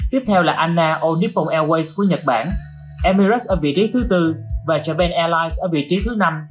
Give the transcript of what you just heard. tiếp theo là anna o nippon airways của nhật bản emirates ở vị trí thứ bốn và japan airlines ở vị trí thứ năm